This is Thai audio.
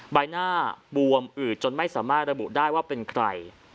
ใบหน้าบวมอืดจนไม่สามารถระบุได้ว่าเป็นใคร